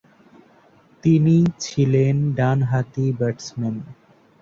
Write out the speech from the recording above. তিনি ছিলেন ডানহাতি ব্যাটসম্যান।